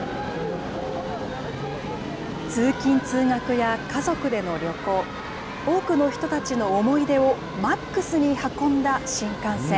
通勤・通学や家族での旅行、多くの人たちの思い出をマックスに運んだ新幹線。